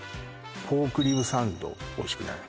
ポークリブサンドおいしくない？